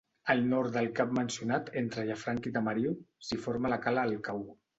Al nord del cap mencionat, entre Llafranc i Tamariu, s'hi forma la cala el Cau.